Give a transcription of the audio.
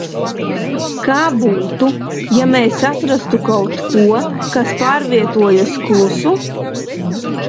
Kā būtu, ja mēs atrastu kaut ko, kas pārvietojas klusu?